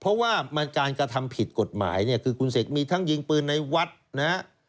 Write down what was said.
เพราะว่าการกระทำผิดกฏหมายคุณเศษมีทั้งยิงปืนในวัฒน์นะครับ